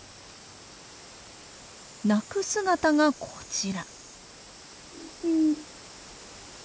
鳴く姿がこちら。